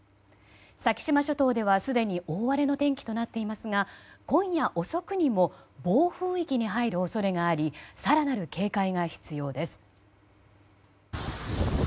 先島諸島ではすでに大荒れの天気となっていますが今夜遅くにも暴風域に入る恐れがあり更なる警戒が必要です。